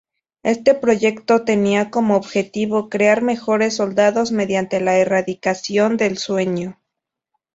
Este proyecto tenía como objetivo crear mejores soldados mediante la erradicación del sueño.